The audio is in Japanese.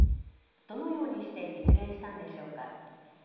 どのようにして実現したんでしょうか。